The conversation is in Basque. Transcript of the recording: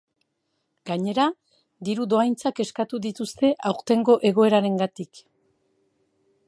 Gainera, diru dohaintzak eskatu dituzte aurtengo egoerarengatik.